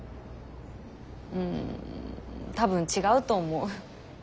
うん多分違うと思う。